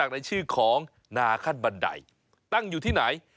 ในชื่อของนาขั้นบันไดตั้งอยู่ที่ไหน